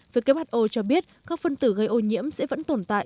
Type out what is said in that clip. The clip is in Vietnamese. who cho biết các phân tử gây ô nhiễm sẽ vẫn tồn tại